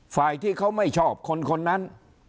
ฝ่ายที่เขาไม่ชอบคนนั้น